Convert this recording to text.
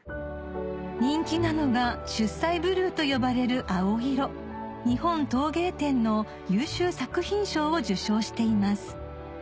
人気なのがと呼ばれる青色日本陶芸展の優秀作品賞を受賞しています